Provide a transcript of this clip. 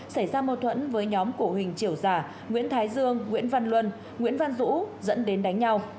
xảy ra mâu thuẫn với nhóm cổ hình triểu giả nguyễn thái dương nguyễn văn luân nguyễn văn dũ dẫn đến đánh nhau